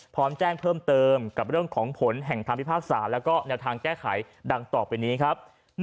พร้อมแจ้งเพิ่มเติมกับเรื่องของผลแห่งคำพิพากษาแล้วก็แนวทางแก้ไขดังต่อไปนี้ครับ